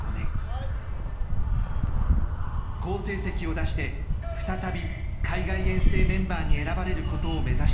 好成績を出して再び海外遠征メンバーに選ばれることを目指しています。